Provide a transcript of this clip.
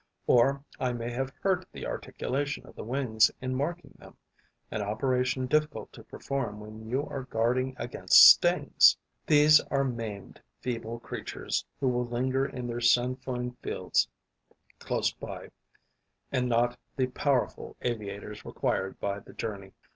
Or I may have hurt the articulation of the wings in marking them, an operation difficult to perform when you are guarding against stings. These are maimed, feeble creatures, who will linger in the sainfoin fields close by, and not the powerful aviators required by the journey.